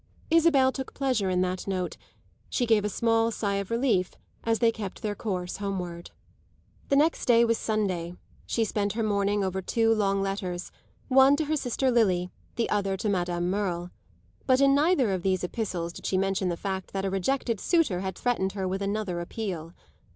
Isabel took pleasure in that note; she gave a small sigh of relief as they kept their course homeward. The next day was Sunday; she spent her morning over two long letters one to her sister Lily, the other to Madame Merle; but in neither of these epistles did she mention the fact that a rejected suitor had threatened her with another appeal.